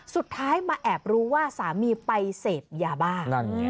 สุดท้ายมาแอบรู้ว่าสามีไปเสพยาบ้า